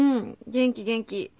元気元気。